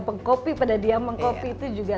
pengcopy pada dia mengcopy itu juga